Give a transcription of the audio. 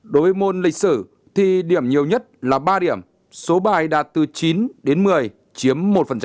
đối với môn lịch sử thì điểm nhiều nhất là ba điểm số bài đạt từ chín đến một mươi chiếm một